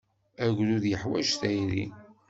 Agrud yeḥwaj tayri.